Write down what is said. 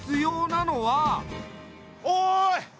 おい！